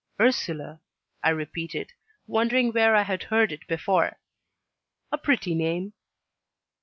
"Ursula!" I repeated, wondering where I had heard it before. "A pretty name."